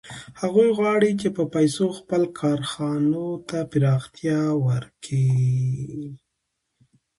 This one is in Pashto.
هغوی غواړي چې په پیسو خپلو کارخانو ته پراختیا ورکړي